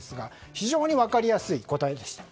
非常に分かりやすい答えでした。